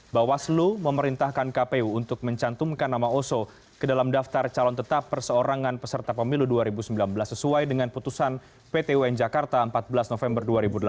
bawaslu memerintahkan kpu untuk mencantumkan nama oso ke dalam daftar calon tetap perseorangan peserta pemilu dua ribu sembilan belas sesuai dengan putusan pt un jakarta empat belas november dua ribu delapan belas